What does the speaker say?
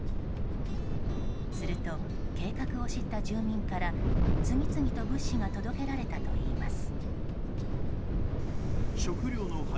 すると計画を知った住民から次々と物資が届けられたといいます。